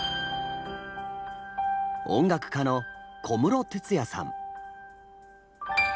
音楽家の小室哲哉さん。